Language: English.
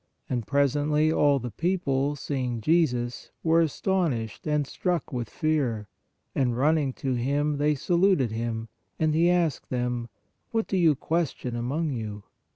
And presently all the people, seeing Jesus, ioo PRAYER were astonished and struck with fear; and running to Him, they saluted Him, and He asked them, What do you question among you?